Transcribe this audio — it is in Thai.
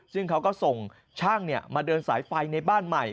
ซึ่งเขาก็ส่งช่างมาเดินสายไฟในบ้านใหม่